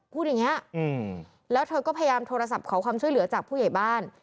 พูดอย่างนี้แล้วเธอก็พยายามโทรศัพท์ขอความช่วยเหลือจากผู้ใหญ่บ้าน